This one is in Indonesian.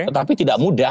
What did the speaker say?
tetapi tidak mudah